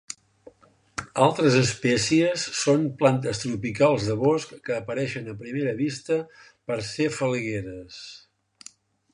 Altres espècies són plantes tropicals de bosc que apareixen a primera vista per ser falgueres.